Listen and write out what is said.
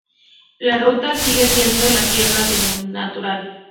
La ruta sigue siendo de tierra natural.